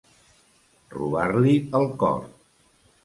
Robar-li el cor.